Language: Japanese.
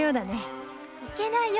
いけないよ。